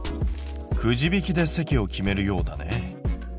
くじ引きで席を決めるようだね。